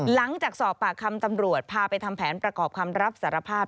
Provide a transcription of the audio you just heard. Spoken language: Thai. หลังจากสอบปากคำตำรวจพาไปทำแผนประกอบคำรับสารภาพ